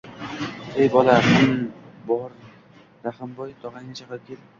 – Hey, bola! G‘imm… Bor, Rahimboy tog‘angni chaqirib kel